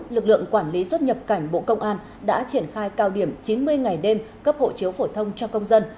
lực lượng quản lý xuất nhập cảnh bộ công an đã triển khai cao điểm chín mươi ngày đêm cấp hộ chiếu phổ thông cho công dân